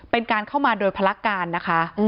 เป็นการเข้ามาโดยภารการนะคะ